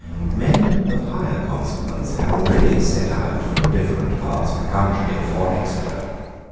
Men of higher consequence had already set out from different parts of the country for Exeter.